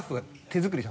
手作り？